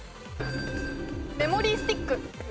メモリースティック。